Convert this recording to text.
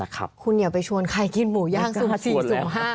ค่ะคุณอย่าไปชวนใครกินหมูย่าง๔๐๕นะ